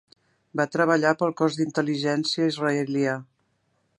Va treballar pel cos d'intel·ligència israelià.